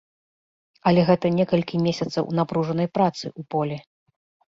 Але гэта некалькі месяцаў напружанай працы ў полі.